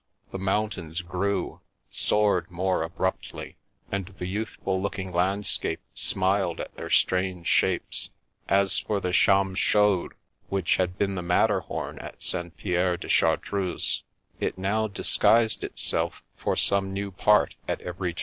The mountains grew, soared more abruptly, and the youthful looking landscape smiled at their strange shapes. As for the Cham Chaude, which had been the Matterhom at St. Pierre de Chartreuse, it now disguised itself for some new part at every turn.